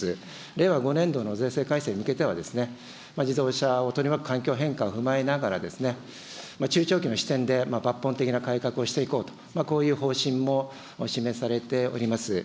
令和５年度の税制改正に向けては自動車を取り巻く環境変化を踏まえながらですね、中長期の視点で抜本的な改革をしていこうと、こういう方針も示されております。